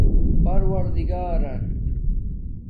پَرور دگاران